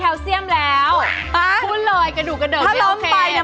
แต่ว่าเห็นแล้วแฟนคับแหง่น